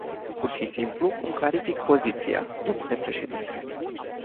Pur și simplu îmi clarific poziția, dle președinte.